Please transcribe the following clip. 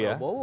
sudah deal ya